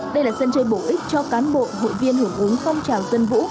đây là sân chơi bổ ích cho cán bộ hội viên hưởng ứng phong trào dân vũ